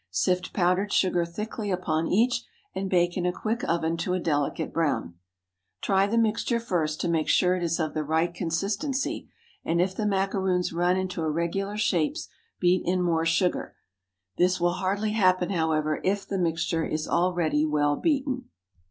Sift powdered sugar thickly upon each, and bake in a quick oven to a delicate brown. Try the mixture first, to make sure it is of the right consistency, and if the macaroons run into irregular shapes, beat in more sugar. This will hardly happen, however, if the mixture is already well beaten.